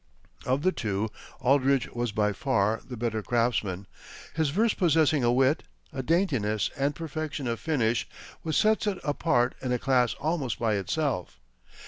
Of the two, Aldrich was by far the better craftsman, his verse possessing a wit, a daintiness and perfection of finish which sets it apart in a class almost by itself.